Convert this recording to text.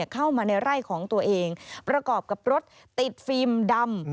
เข้ามาในไร่ของตัวเองประกอบกับรถติดฟิล์มดำ